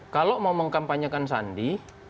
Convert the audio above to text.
kalau mau mengkampanyekan sandi